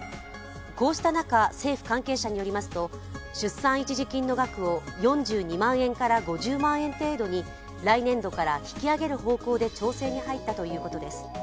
こうした中、政府関係者によりますと出産一時金の額を４２万円から５０万円程度に来年度から引き上げる方向で調整に入ったということです。